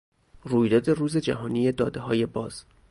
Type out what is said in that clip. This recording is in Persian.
رویداد روز جهانی دادههای باز